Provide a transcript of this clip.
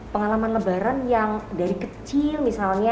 pengalaman lebaran yang dari kecil misalnya